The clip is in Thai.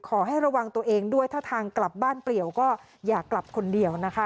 ขอให้ระวังตัวเองด้วยถ้าทางกลับบ้านเปลี่ยวก็อย่ากลับคนเดียวนะคะ